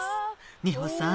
美穂さん